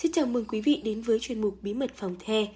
chào mừng quý vị đến với chương trình bí mật phòng the